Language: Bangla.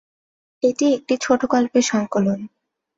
এটি একটি ছোটগল্পের সংকলন।